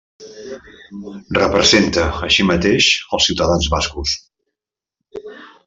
Representa, així mateix, als ciutadans bascos.